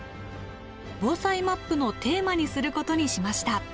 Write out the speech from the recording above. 防災マップのテーマにすることにしました。